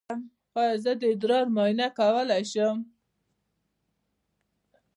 ایا زه د ادرار معاینه کولی شم؟